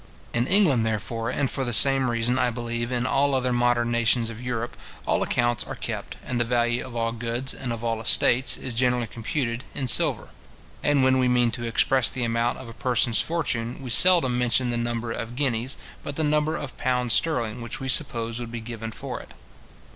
In England, therefore, and for the same reason, I believe, in all other modern nations of Europe, all accounts are kept, and the value of all goods and of all estates is generally computed, in silver: and when we mean to express the amount of a person's fortune, we seldom mention the number of guineas, but the number of pounds sterling which we suppose would be given for it.